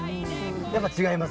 やっぱり違います？